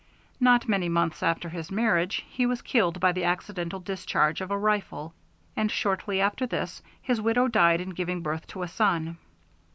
Not many months after his marriage he was killed by the accidental discharge of a rifle, and, shortly after this, his widow died in giving birth to a son.